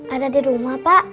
ada di rumah pak